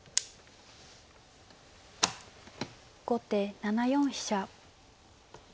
後手７四飛車。